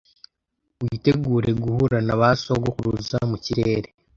Witegure guhura na ba sogokuruza mu kirere